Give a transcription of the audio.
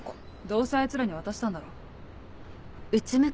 どうせあいつらに渡したんだろ？